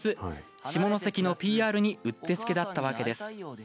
下関のＰＲにうってつけだったわけです。